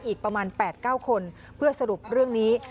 อีกประมาณ๘๙คนเพื่อสรุปเรื่องนี้